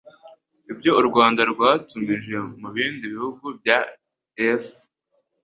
Ibyo u Rwanda rwatumije mu bindi bihugu bya EAC